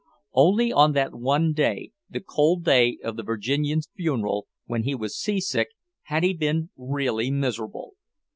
Only on that one day, the cold day of the Virginian's funeral, when he was seasick, had he been really miserable.